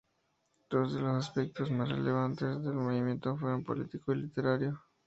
Dos de los aspectos más relevantes del movimiento fueron el político y el literario.